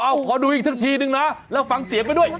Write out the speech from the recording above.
เอาขอดูอีกสักทีนึงนะแล้วฟังเสียงไปด้วย